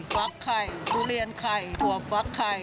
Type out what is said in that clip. ฟักไข่ทุเรียนไข่ถั่วฟักไข่